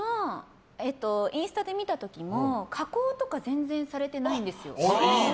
インスタで見た時も加工とか全然されてないんですよ。